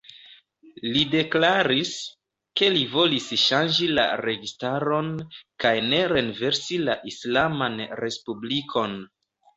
Li deklaris, ke li volis ŝanĝi la registaron, kaj ne renversi la islaman respublikon.